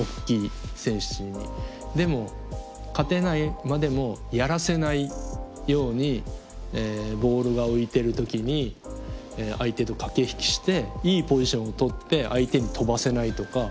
でも勝てないまでもやらせないようにボールが浮いてる時に相手と駆け引きしていいポジションをとって相手に跳ばせないとか。